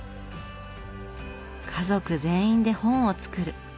家族全員で本を作る。